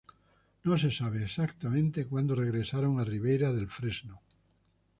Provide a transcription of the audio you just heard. No se sabe exactamente cuándo regresaron a Ribera del Fresno.